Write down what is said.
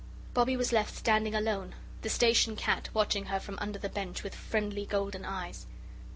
Bobbie was left standing alone, the Station Cat watching her from under the bench with friendly golden eyes.